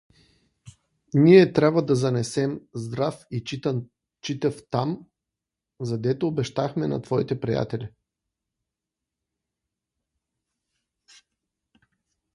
Ние трябва да те занесем здрав и читав там, задето обещахме на твоите приятели.